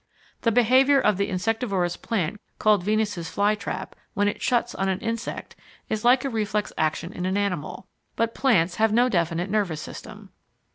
The behaviour of the insectivorous plant called Venus's fly trap when it shuts on an insect is like a reflex action in an animal, but plants have no definite nervous system.